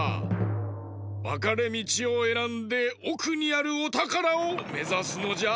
わかれみちをえらんでおくにあるおたからをめざすのじゃ。